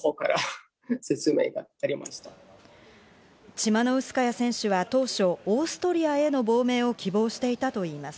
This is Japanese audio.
チマノウスカヤ選手は当初、オーストリアへの亡命を希望していたといいます。